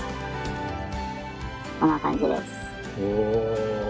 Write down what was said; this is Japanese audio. こんな感じです。